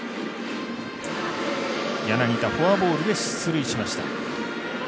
柳田、フォアボールで出塁しました。